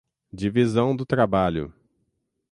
Divisão do trabalho